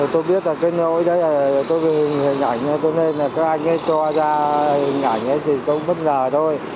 tôi biết là cái nỗi đó là hình ảnh nên các anh ấy cho ra hình ảnh thì tôi bất ngờ thôi